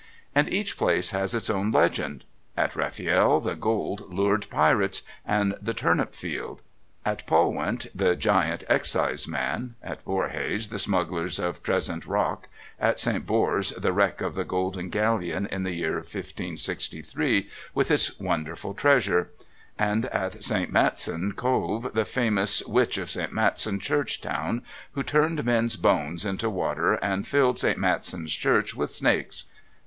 And each place has its own legend: at Rafiel the Gold lured Pirates, and the Turnip Field; at Polwint the Giant Excise Man; at Borhaze the Smugglers of Trezent Rock; at St. Borse the wreck of "The Golden Galleon" in the year 1563, with its wonderful treasure; and at St. Maitsin Cove the famous Witch of St. Maitsin Church Town who turned men's bones into water and filled St. Maitsin Church with snakes.